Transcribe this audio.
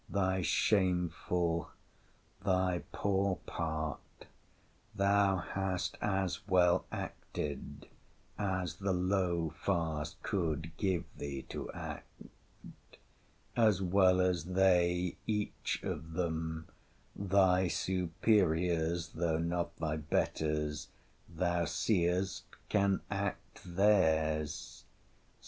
—thy shameful, thy poor part, thou hast as well acted as the low farce could give thee to act!—as well as they each of them (thy superiors, though not thy betters), thou seest, can act theirs.